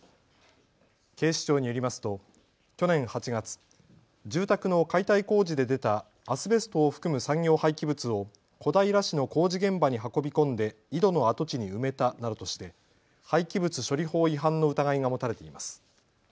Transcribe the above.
警視庁によりますと去年８月、住宅の解体工事で出たアスベストを含む産業廃棄物を小平市の工事現場に運び込んで井戸の跡地に埋めたなどとして廃棄物処理法違反の疑いが持たれています。